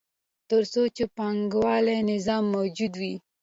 تر څو چې د پانګوالي نظام موجود وي